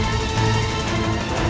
aku tidak tahu